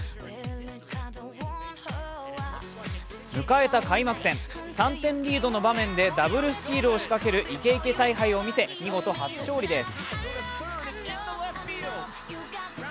迎えた開幕戦３点リードの場面でダブルスチールを仕掛けるイケイケ采配を見せ見事初勝利です。